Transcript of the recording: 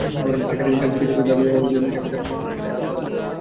সেখানে ইন্টার্ন চিকিৎসকদের দাবি অনুযায়ী ক্যাম্পাসে পুলিশ বক্স স্থাপনের সিদ্ধান্ত হয়।